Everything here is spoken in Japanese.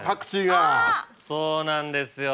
そうなんですよ。